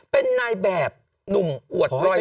เป็นนายแบบหนุ่มอวดร้อย